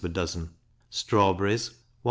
per dozen; strawberries 1s.